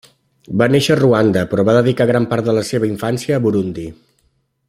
Va néixer a Ruanda, però va dedicar gran part de la seva infància a Burundi.